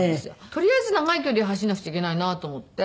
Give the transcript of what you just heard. とりあえず長い距離走らなくちゃいけないなと思って。